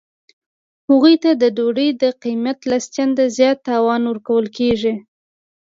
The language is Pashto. هغوی ته د ډوډۍ د قیمت لس چنده زیات تاوان ورکول کیږي